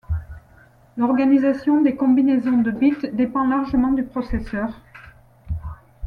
L'organisation des combinaisons de bits dépend largement du processeur.